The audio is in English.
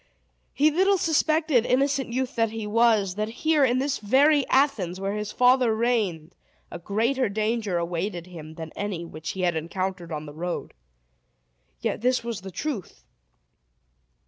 He little suspected, innocent youth that he was, that here, in this very Athens, where his father reigned, a greater danger awaited him than any which he had encountered on the road. Yet this was the truth.